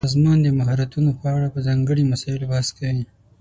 د سازمان د مهارتونو په اړه په ځانګړي مسایلو بحث کیږي.